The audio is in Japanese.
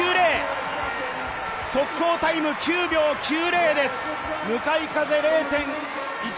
速報タイム９秒９０です。